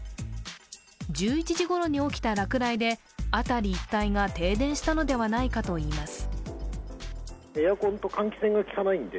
１１時ごろに起きた落雷で辺り一帯が停電したのではないかといいます。